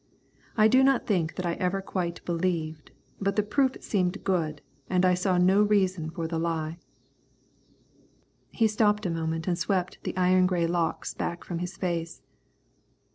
I do not think that I ever quite believed, but the proof seemed good, and I saw no reason for the lie." He stopped a moment and swept the iron grey locks back from his face.